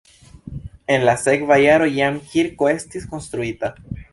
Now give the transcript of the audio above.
En la sekva jaro jam kirko estis konstruita.